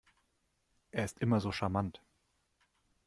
Er ist immer so charmant.